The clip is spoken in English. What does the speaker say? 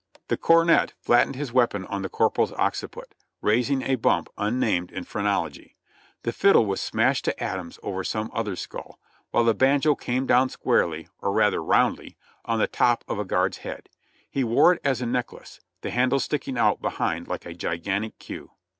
The 28 JOHNNY RKB AND BII.I.Y YANK cornet flattened his weapon on the corporal's occiput, raising a bump unnamed in phrenology; the fiddle was smashed to atoms over some other skull, while the banjo came down squarely, or rather roundly, on the top of a guard's head; he wore it as a neck lace, the handle sticking out behind like a gigantic queue.